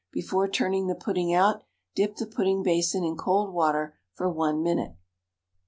Before turning the pudding out, dip the pudding basin in cold water for 1 minute.